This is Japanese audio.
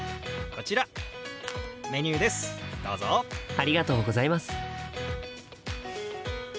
ありがとうございます。